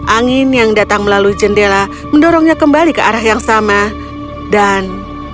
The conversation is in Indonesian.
angin yang datang melalui jendela mendorongnya kembali ke arah yang sama dan